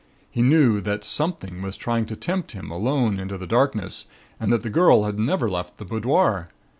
He knew that something was trying to tempt him alone into the darkness and that the girl had never left the boudoir.